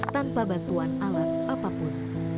tanpa bantuan alat apapun